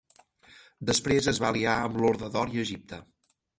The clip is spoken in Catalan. Després es va aliar amb l'horda d'or i Egipte.